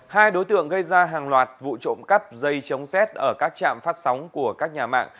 hai đối tượng gây ra hàng loạt vụ trộm cắp dây chống rét ở các trạm phát sóng của các nhà mạng